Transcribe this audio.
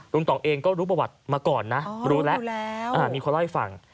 ต่องเองก็รู้ประวัติมาก่อนนะรู้แล้วมีคนเล่าให้ฟัง